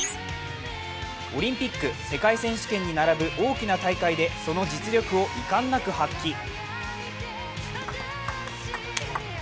オリンピック、世界選手権に並ぶ大きな大会でその実力をいかんなく発揮。